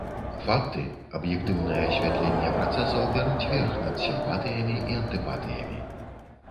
Факты, аб'ектыўнае асвятленне працэсаў бяруць верх над сімпатыямі і антыпатыямі.